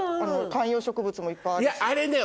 観葉植物もいっぱいあるし。